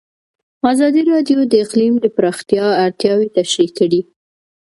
ازادي راډیو د اقلیم د پراختیا اړتیاوې تشریح کړي.